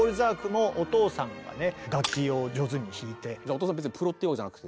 お父さん別にプロってわけじゃなくて？